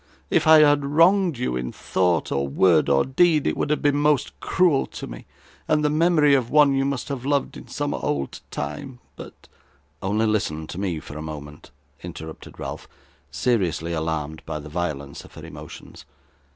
If I had wronged you in thought, or word, or deed, it would have been most cruel to me, and the memory of one you must have loved in some old time; but ' 'Only listen to me for a moment,' interrupted Ralph, seriously alarmed by the violence of her emotions.